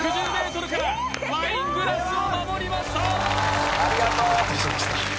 ６０ｍからワイングラスを守りました！